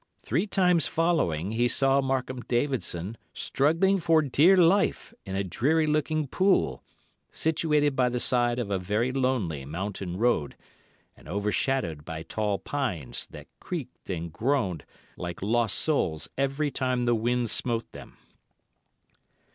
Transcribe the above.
Three times following he saw Markham Davidson struggling for dear life in a dreary looking pool, situated by the side of a very lonely mountain road, and overshadowed by tall pines, that creaked and groaned like lost souls every time the wind smote them.